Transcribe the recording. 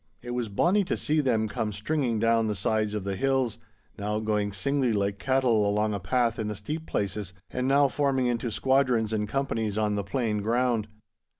It was bonny to see them come stringing down the sides of the hills, now going singly like cattle along a path in the steep places, and now forming into squadrons and companies on the plain ground.